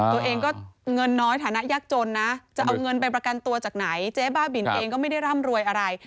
ตัวเองก็เงินน้อยฐานะยากจนนะจะเอาเงินไปประกันตัวจากไหนเจ๊บ้าบินเองก็ไม่ได้ร่ำรวยอะไร